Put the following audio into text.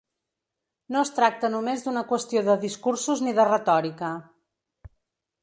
No es tracta només d’una qüestió de discursos ni de retòrica.